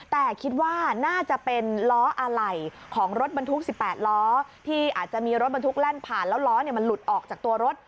แต่คิดว่าน่าจะเป็นล้ออะไหล่ของรถบรรทุก๑๘ล้อที่อาจจะมีรถบรรทุกแล่นผ่านแล้วล้อมันหลุดออกจากตัวรถ